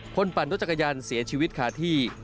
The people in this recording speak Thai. ปั่นรถจักรยานเสียชีวิตขาดที่